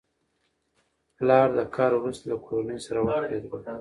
پلر د کار وروسته له کورنۍ سره وخت تېروي